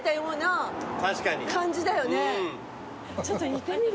ちょっと行ってみる？